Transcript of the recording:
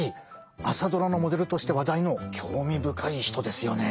「朝ドラ」のモデルとして話題の興味深い人ですよね！